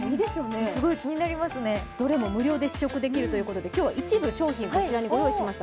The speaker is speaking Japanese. どれも無料で試食できるということで今日は一部商品をこちらにご用意しました。